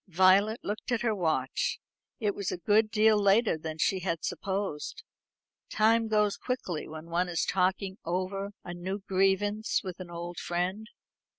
Violet looked at her watch. It was a good deal later than she had supposed. Time goes quickly when one is talking over a new grievance with an old friend.